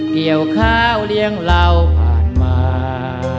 เกี่ยวข้าวเลี้ยงเราผ่านมา